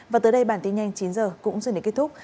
và tới đây bản tin nhanh chín h cũng dừng đến kết thúc